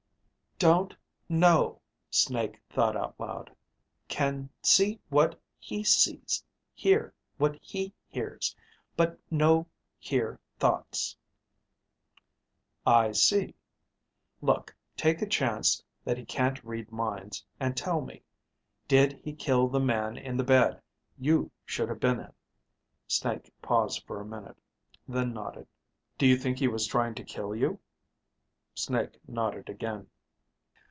Don't ... know, Snake thought out loud. Can ... see ... what ... he ... sees ... hear ... what ... he ... hears. But ... no ... hear ... thoughts ... "I see. Look, take a chance that he can't read minds and tell me, did he kill the man in the bed you should have been in." Snake paused for a minute. Then nodded. "Do you think he was trying to kill you?" Snake nodded again.